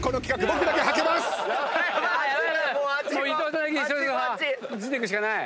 ついていくしかない。